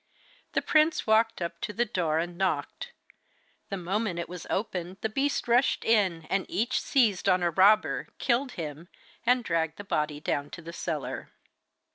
The prince walked up to the door and knocked. The moment it was opened the beasts rushed in, and each seized on a robber, killed him, and dragged the body down to the cellar.